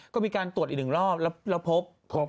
ก็มีการตรวจอีกหนึ่งรอบแล้วพบ